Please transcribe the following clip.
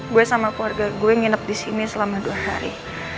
gue sama keluarga gue nginep disini selama dua hari